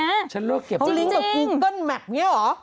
เพราะว่าลิงค์กับกินเกิ้ลแม็กซ์นี้เหรอ